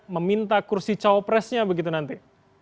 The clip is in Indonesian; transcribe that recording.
meminta kursi cawapresnya begitu nanti